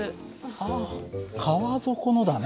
あ革底のだね。